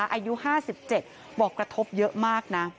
อายุ๕๗บอกกระทบเยอะมากนะ